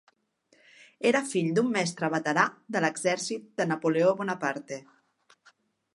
Era fill d'un mestre veterà de l'exèrcit de Napoleó Bonaparte.